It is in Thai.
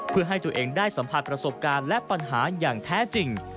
เพื่อให้ตัวเองได้สัมผัสประสบการณ์และปัญหาอย่างแท้จริง